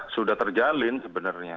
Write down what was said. sudah terjalin sebenarnya